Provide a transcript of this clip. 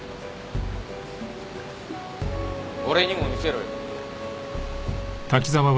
俺にも見せろよ。